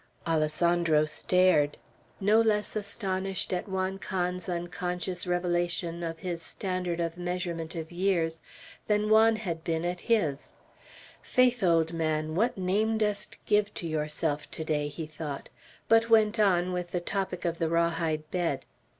Alessandro stared, no less astonished at Juan Can's unconscious revelation of his standard of measurement of years than Juan had been at his. "Faith, old man, what name dost give to yourself to day!" he thought; but went on with the topic of the raw hide bed.